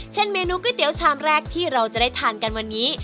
เมนูก๋วยเตี๋ยวชามแรกที่เราจะได้ทานกันวันนี้